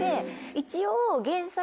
一応。